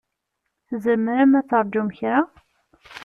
Tzemrem ad terǧum kra?